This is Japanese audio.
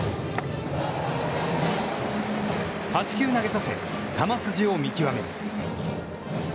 ８球投げさせ、球筋を見極める。